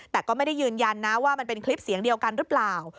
แต่ก็ไม่ได้ยืนยันนะว่ามันเป็นคลิปเสียงเดียวกันหรือเปล่า